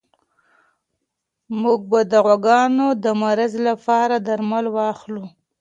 موږ به د غواګانو د مرض لپاره درمل واخلو.